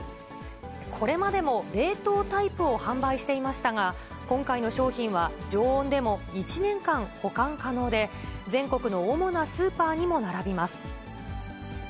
これまでも冷凍タイプを販売していましたが、今回の商品は、常温でも１年間保管可能で、全国の主なスーパーにも並びます。